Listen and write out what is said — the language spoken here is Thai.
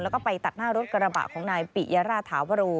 แล้วก็ไปตัดหน้ารถกระบะของนายปิยราธาวโร